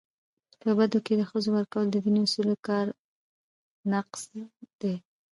په بدو کي د ښځو ورکول د دیني اصولو ښکاره نقض دی.